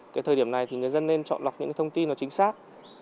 cái thời điểm này thì người dân nên chọn lọc những cái thông tin nó chính xác